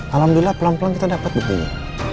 alhamdulillah pelan pelan kita dapat buktinya